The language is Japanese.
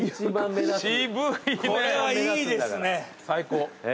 最高。